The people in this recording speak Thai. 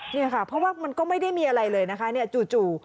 นี่ค่ะเพราะว่ามันก็ไม่ได้มีอะไรเลยนะคะจู่